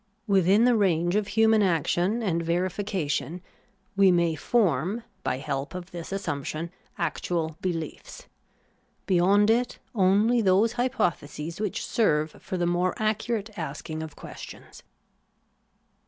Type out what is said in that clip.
Within the range of human action and veri fication, we may form, by help of this assumption, actual behefs ; beyond it, only those hypotheses which serve for the more accurate asking of questions.